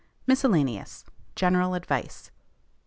MISCELLANEOUS. GENERAL ADVICE.